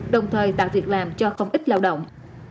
đồng thời tạo việc làm cho không ít lao động